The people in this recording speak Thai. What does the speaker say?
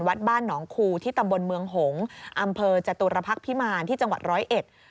วัดบ้านหนองคูที่ตำบลเมืองหงษ์อำเภอจตุรพักษ์พิมารที่จังหวัดร้อยเอ็ด